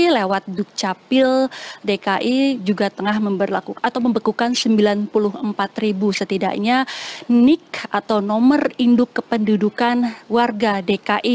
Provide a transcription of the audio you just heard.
lewat dukcapil dki juga tengah atau membekukan sembilan puluh empat setidaknya nik atau nomor induk kependudukan warga dki